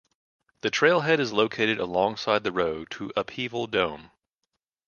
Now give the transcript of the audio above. The trailhead is located alongside the road to Upheaval Dome.